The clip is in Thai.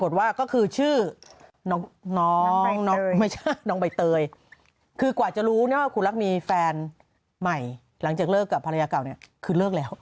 ไม่ใช่น้องใบเตยคือกว่าจะรู้นะว่าคุณรักมีแฟนใหม่หลังจากเลิกกับภรรยาเก่าเนี่ยคือเลิกแล้ว